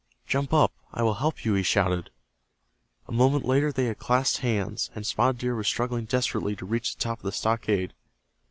"Jump up, I will help you!" he shouted. A moment later they had clasped hands, and Spotted Deer was struggling desperately to reach the top of the stockade.